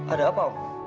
ada apa om